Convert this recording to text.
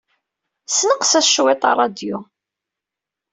Ssenqes-as cwiṭ i ṛṛadyu.